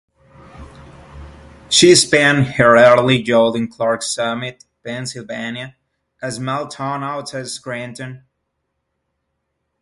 She spent her early youth in Clarks Summit, Pennsylvania, a small town outside Scranton.